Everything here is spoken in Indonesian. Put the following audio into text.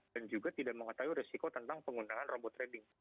dan juga tidak mengetahui resiko tentang penggunaan robot trading